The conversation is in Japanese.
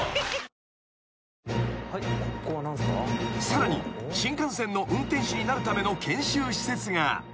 ［さらに新幹線の運転士になるための研修施設が］